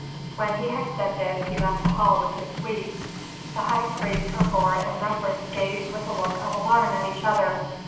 When he had said this he left the hall with his suite. The high priests Herhor and Mefres gazed with a look of alarm at each other.